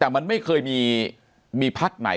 แต่มันไม่เคยมีพัฒน์ใหม่